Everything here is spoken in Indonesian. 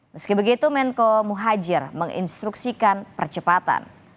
meski begitu menko muhajir menginstruksikan percepatan